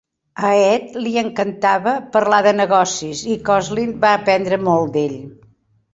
A Ed li encantava "parlar de negocis" i Kosslyn va aprendre molt d'ell.